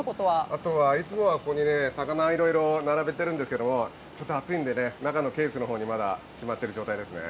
あとはいつもはここにね、魚、いろいろ並べてるんですけれども、ちょっと暑いんでね、中のケースのほうにまだしまっている状態ですね。